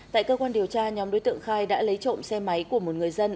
tại cơ quan điều tra nhóm đối tượng khai đã lấy trộm xe máy của một người dân